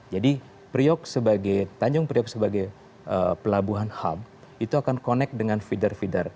jadi tanjung priok sebagai pelabuhan hub itu akan connect dengan feeder feeder